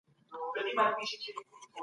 که موږ تمرین وکړو نو هر څه اسانه کيږي.